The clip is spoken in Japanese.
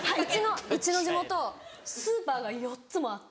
うちの地元スーパーが４つもあって。